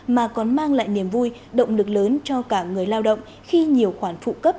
mà còn mang lại niềm vui động lực lớn cho cả người lao động khi nhiều khoản phụ cấp